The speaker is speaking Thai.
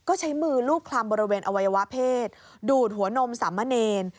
ก็ใช้มือรูปคลำบริเวณอวัยวะเพศดูดหัวนมสามเณร